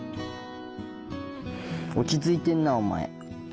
落ち着いてんなお前。